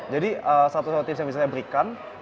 jadi satu satu tips yang bisa saya berikan